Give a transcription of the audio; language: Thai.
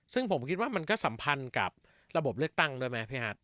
ซึ่งผมคิดว่ามันก็สัมพันธ์กับระบบเลือกตั้งด้วยไหมพี่ฮัท